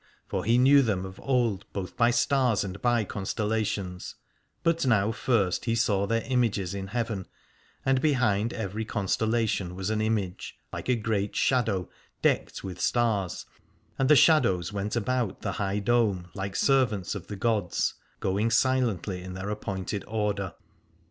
For he knew them 226 Aladore of old both by stars and by constellations, but now first he saw their images in heaven : and behind every constellation was an image, like a great shadow decked with stars, and the shadows went about the high dome like servants of the gods, going silently in their appointed order.